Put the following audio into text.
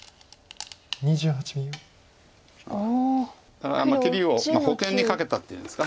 だから切りを保険に掛けたっていうんですか。